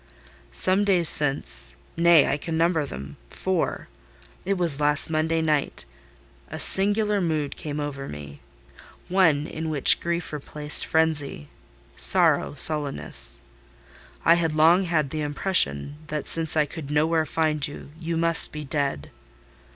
"Some days since: nay, I can number them—four; it was last Monday night, a singular mood came over me: one in which grief replaced frenzy—sorrow, sullenness. I had long had the impression that since I could nowhere find you, you must be dead.